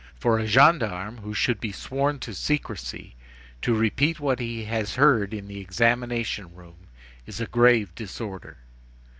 For a gendarme, who should be sworn to secrecy, to repeat what he has heard in the examination room is a grave disorder.